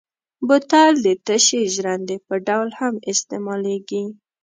بوتل د تشې ژرندې په ډول هم استعمالېږي.